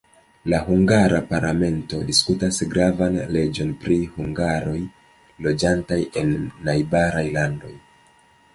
La hungara parlamento diskutas gravan leĝon pri hungaroj loĝantaj en najbaraj landoj.